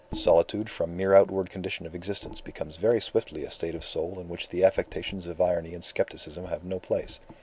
Solitude from mere outward condition of existence becomes very swiftly a state of soul in which the affectations of irony and scepticism have no place.